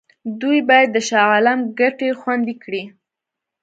دوی باید د شاه عالم ګټې خوندي کړي.